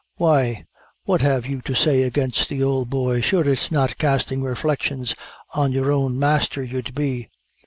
"Why, what have you to say against the ould boy? Sure it's not casting reflections on your own masther you'd be."